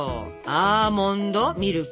アーモンドミルク！